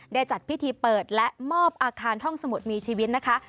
จัดพิธีเปิดและมอบอาคารห้องสมุดมีชีวิตนะคะ